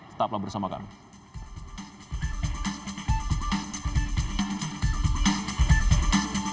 tetaplah bersama kami